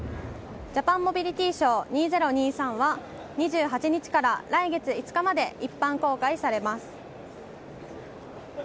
ジャパンモビリティショー２０２３は２８日から来月５日まで一般公開されます。